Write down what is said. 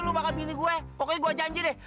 lo bakal bini gue pokoknya gue janji deh